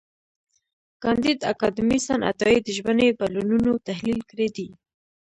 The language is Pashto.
کانديد اکاډميسن عطایي د ژبني بدلونونو تحلیل کړی دی.